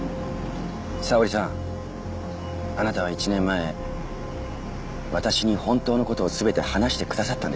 沙織さんあなたは１年前私に本当の事を全て話してくださったんでしょうか。